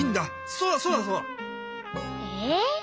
そうだそうだそうだ！ええ？